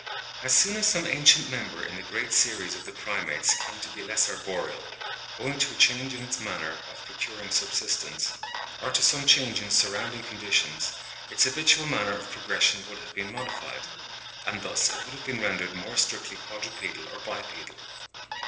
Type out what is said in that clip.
As soon as some ancient member in the great series of the Primates came to be less arboreal, owing to a change in its manner of procuring subsistence, or to some change in the surrounding conditions, its habitual manner of progression would have been modified: and thus it would have been rendered more strictly quadrupedal or bipedal.